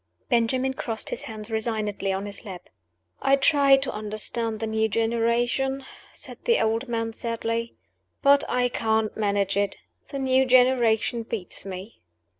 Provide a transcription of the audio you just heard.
Benjamin crossed his hands resignedly on his lap. "I try to understand the new generation," said the old man, sadly; "but I can't manage it. The new generation beats me."